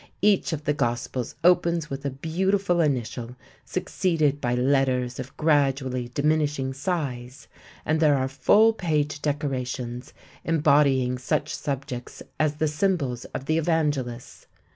Each of the Gospels opens with a beautiful initial succeeded by letters of gradually diminishing size, and there are full page decorations embodying such subjects as the symbols of the Evangelists.